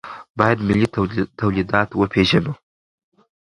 باید ملي تولیدات وپېرو.